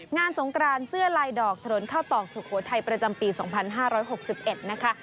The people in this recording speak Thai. สงกรานเสื้อลายดอกถนนข้าวตอกสุโขทัยประจำปี๒๕๖๑นะคะ